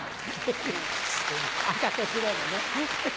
赤と白のね。